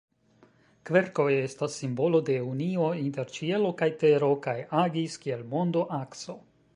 Kverkoj estas simbolo de unio inter ĉielo kaj tero kaj agis kiel mondo-akso.